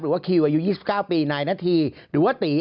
หรือว่าคิวอายุ๒๙ปีนาธีหรือว่าตรี